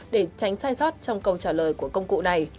để tránh sai sót trong câu trả lời của công cụ này